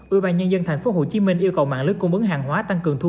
ubnd tp hcm yêu cầu mạng lưới cung bứng hàng hóa tăng cường thu